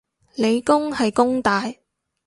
理工係弓大